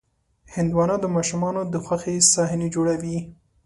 هندوانه د ماشومانو د خوښې صحنې جوړوي.